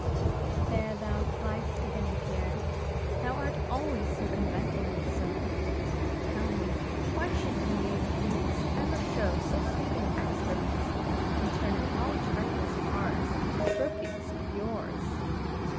"There thou fly'st again, Pierre; thou art always circumventing me so. Tell me, why should ye youths ever show so sweet an expertness in turning all trifles of ours into trophies of yours?"